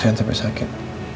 jangan sampai sakit